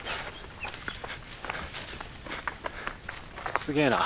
すげえな。